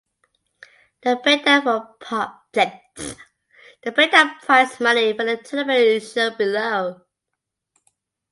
The breakdown of prize money for the tournament is shown below.